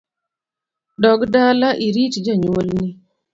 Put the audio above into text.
Dog dala irit jonyuol ni